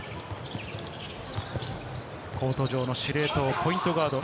コート上の司令塔、ポイントガード。